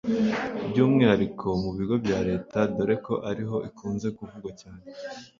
by’umwihariko mu bigo bya leta dore ko ariho ikunze kuvugwa cyane